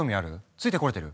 ついてこれてる？